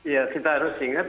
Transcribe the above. ya kita harus ingat